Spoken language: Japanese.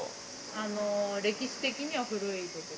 あの、歴史的には古いところ。